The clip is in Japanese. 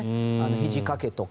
ひじ掛けとか。